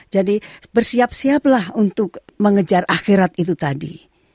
jadi bersiap siaplah untuk mengejar akhirat itu tadi